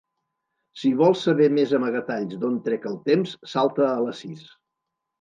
Si vols saber més amagatalls d'on trec el temps, salta a les sis.